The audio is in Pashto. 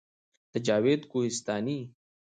د جاوید کوهستاني